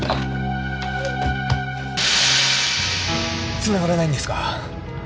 繋がらないんですか？